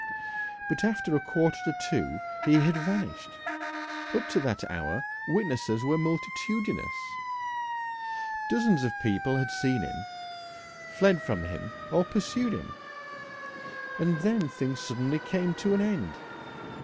But after a quarter to two he had vanished. Up to that hour witnesses were multitudinous. Dozens of people had seen him, fled from him or pursued him, and then things suddenly came to an end.